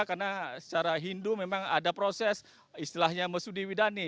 karena secara hindu memang ada proses istilahnya mesudi widani